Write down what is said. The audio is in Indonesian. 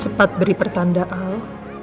cepat beri pertanda al